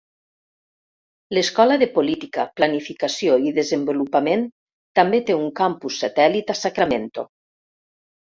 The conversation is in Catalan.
L'Escola de Política, Planificació i Desenvolupament també té un campus satèl·lit a Sacramento.